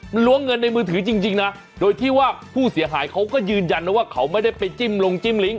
มันล้วงเงินในมือถือจริงนะโดยที่ว่าผู้เสียหายเขาก็ยืนยันนะว่าเขาไม่ได้ไปจิ้มลงจิ้มลิ้ง